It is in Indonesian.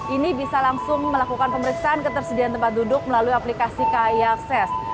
ini bisa langsung melakukan pemeriksaan ketersediaan tempat duduk melalui aplikasi kai akses